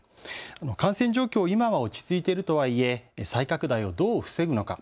感染状況、今は落ち着いているとはいえ再拡大をどう防ぐのか。